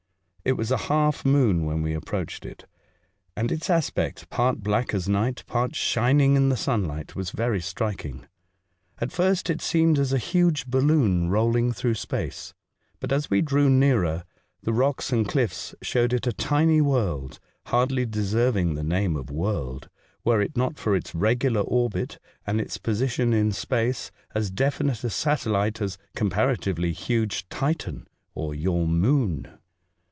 It was a half moon when we approached it, and its aspect, part black as night, part shining in the sunlight, was very striking. At first it seemed as a huge balloon rolling through space ; but, as we drew nearer, the rocks and cliffs showed it a tiny world, hardly deserving the name of world, were it not for its regular orbit and its position in space as definite a satellite as, comparatively, huge Titan or your Moon.